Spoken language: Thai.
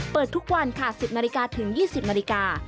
เปิดทุกวันค่ะ๑๐นาฬิกาถึง๒๐นาฬิกา